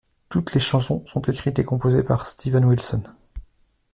Toutes les chansons sont écrites et composées par Steven Wilson.